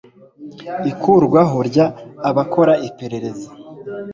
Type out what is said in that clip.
ikurwaho ry abakora iperereza